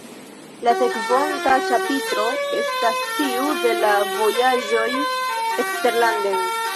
La sekvonta ĉapitro estas tiu de la vojaĝoj eksterlanden.